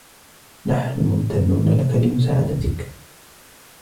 نحن ممتنون لك لمساعدتك.